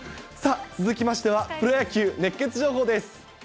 さあ、続きましては、プロ野球熱ケツ情報です。